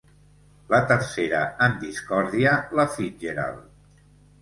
La tercera en discòrdia, la Fitzgerald.